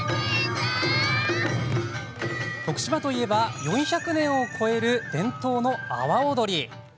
徳島といえば４００年を超える伝統の阿波踊り。